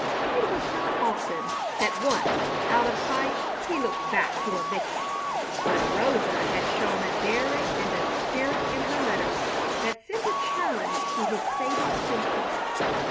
It was not often that once out of sight he looked back to a victim, but Rosa had shown a daring and a spirit in her letters that sent a challenge to his sated senses.